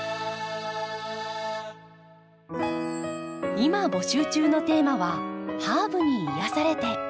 今募集中のテーマは「ハーブに癒やされて」。